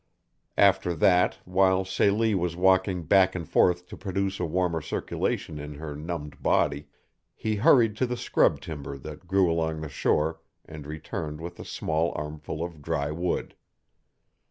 After that, while Celie was walking back and forth to produce a warmer circulation in her numbed body, he hurried to the scrub timber that grew along the shore and returned with a small armful of dry wood.